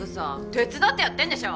手伝ってやってんでしょ！